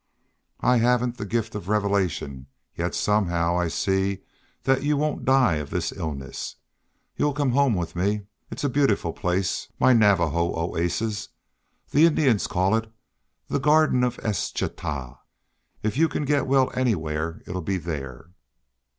"I haven't the gift of revelation yet somehow I see that you won't die of this illness. You will come home with me. It's a beautiful place, my Navajo oasis. The Indians call it the Garden of Eschtah. If you can get well anywhere it'll be there."